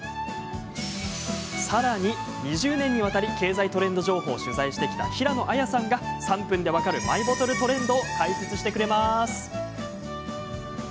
さらに、２０年にわたり経済トレンド情報を取材してきた平野亜矢さんが、３分で分かるマイボトルトレンドを解説してくれます。